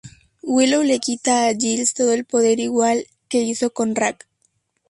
Willow le quita a Giles todo el poder igual que hizo con Rack.